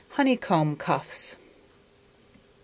Honeycomb Cuffs. No.